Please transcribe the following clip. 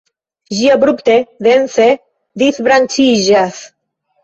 Ĝi abrupte dense disbranĉiĝas.